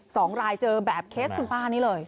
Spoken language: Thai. สองรายเจอแบบเคสคุณป้านี้เลย